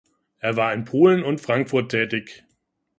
Er war in Polen und Frankfurt tätig.